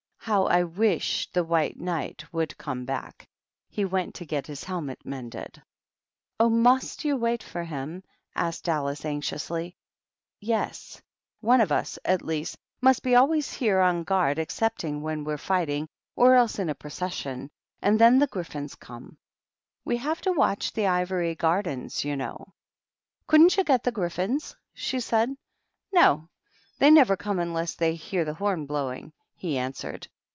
How I wish the White Knight would come back ! He went to get his helmet mended." "Oh, must you wait for him?" asked Alice, anxiously. "Yes. One of us, at least, must be always here on guard, excepting when we're fighting or 296 THE PAOEAirr. oIhc in a procesBion, and then the Gryphons come W(J have to watch the Ivory Grardens, you know/ "Couldn^t you get the Gryphons?" she said. " No ; they never come unless they hear th< horn blowing," he answered.